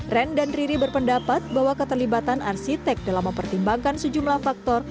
ren dan riri berpendapat bahwa keterlibatan arsitek dalam mempertimbangkan sejumlah faktor